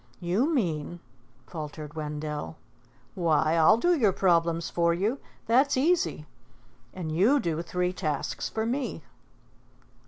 "You mean " faltered Wendell. "Why, I'll do your problems for you. That's easy. And you do three tasks for me."